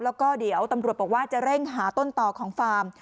แล้วก็เดี๋ยวตำรวจบอกว่าจะเร่งหาต้นต่อของฟาร์ม